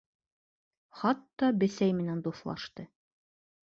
Хатта бесәй менән дуҫлашты.